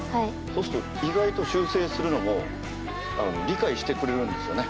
そうすると意外と修正するのも理解してくれるんですよね。